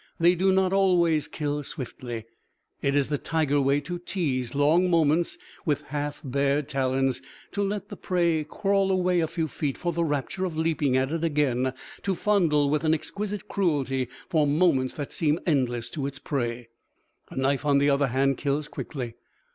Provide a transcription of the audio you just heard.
They do not always kill swiftly. It is the tiger way to tease, long moments, with half bared talons; to let the prey crawl away a few feet for the rapture of leaping at it again; to fondle with an exquisite cruelty for moments that seem endless to its prey. A knife, on the other hand, kills quickly.